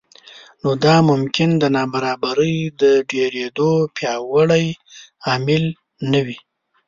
نو دا ممکن د نابرابرۍ د ډېرېدو پیاوړی عامل نه وي